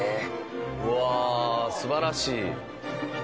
うわあ素晴らしい。